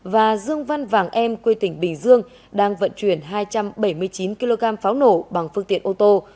và dương văn vàng em quê tỉnh bình dương đang vận chuyển hai trăm bảy mươi chín kg pháo nổ bằng phương tiện ô tô